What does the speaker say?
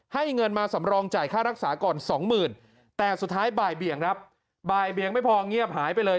เงินมาสำรองจ่ายค่ารักษาก่อนสองหมื่นแต่สุดท้ายบ่ายเบียงครับบ่ายเบียงไม่พอเงียบหายไปเลย